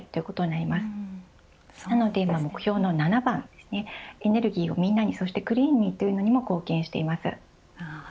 なので、目標の７番エネルギーをみんなにそしてクリーンにということにも貢献しています。